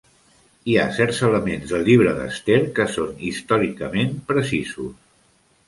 Hi ha certs elements del llibre d'Esther que són històricament precisos.